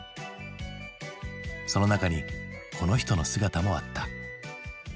その中にこの人の姿もあった。